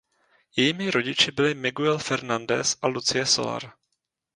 Jejími rodiči byli Miguel Fernández a Lucie Solar.